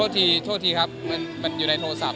โทษทีครับมันอยู่ในโทรศัพท์